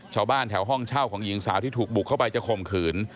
ชาวบ้านแถวห้องเช่าของหญิงสาวที่ถูกบุกเข้าไปจะข่มขืน